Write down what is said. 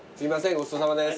ごちそうさまです。